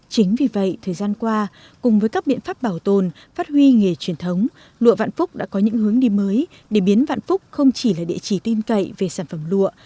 chính vì vậy thời gian qua cùng với các biện pháp bảo tồn phát huy nghề truyền thống lụa vạn phúc đã có những hướng đi mới để biến vạn phúc không chỉ là địa chỉ tin cậy về sản phẩm lụa